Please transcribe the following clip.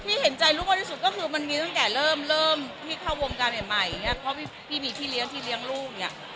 พี่เห็นใจมากที่สุดก็ว่ามันมีเท่าเองสักเริ่มที่เข้าวงการเห็นมัยเนี่ยขอบพี่พี่มีที่เลี้ยงที่เลี้ยงลูกเนี่ย